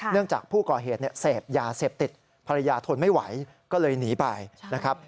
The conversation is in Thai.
จากผู้ก่อเหตุเสพยาเสพติดภรรยาทนไม่ไหวก็เลยหนีไปนะครับ